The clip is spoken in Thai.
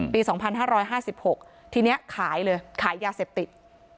ปี๒๕๕๖ทีนี้ขายเลยขายยาเสพติด